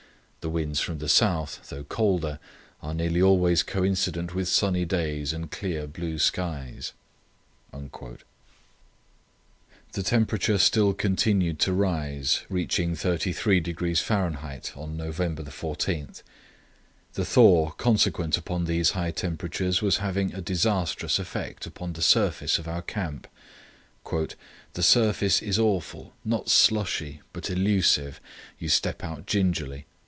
The winds from the south, though colder, are nearly always coincident with sunny days and clear blue skies." The temperature still continued to rise, reaching 33° Fahr. on November 14. The thaw consequent upon these high temperatures was having a disastrous effect upon the surface of our camp. "The surface is awful!—not slushy, but elusive. You step out gingerly.